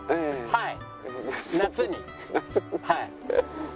はい。